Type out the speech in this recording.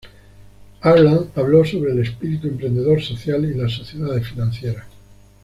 Ireland habló sobre el espíritu emprendedor social y las sociedades financieras.